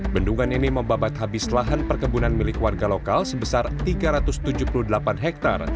bendungan ini membabat habis lahan perkebunan milik warga lokal sebesar tiga ratus tujuh puluh delapan hektare